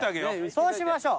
そうしましょう。